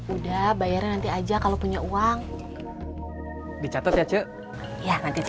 udah bayaran tiada kalau punya uang dicatat ngyes ya fresh